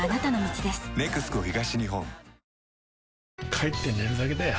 帰って寝るだけだよ